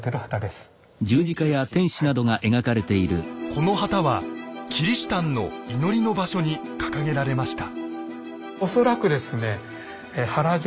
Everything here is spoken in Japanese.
この旗はキリシタンの祈りの場所に掲げられました。